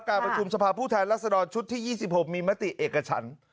การประชุมสภาพผู้แทนรัศดรชุดที่๒๖มีมติเอกฉัน